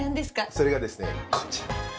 それがですねこちら。